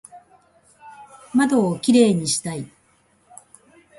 窓をキレイにしたい